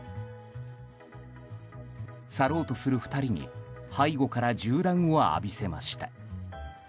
去ろうとする２人に背後から銃弾を浴びせました。